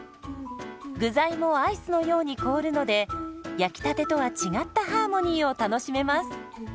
具材もアイスのように凍るので焼きたてとは違ったハーモニーを楽しめます。